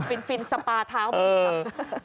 เออฟินสปาเท้ามากินค่ะ